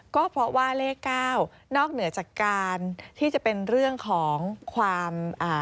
ก็เพราะว่าเลขเก้านอกเหนือจากการที่จะเป็นเรื่องของความอ่า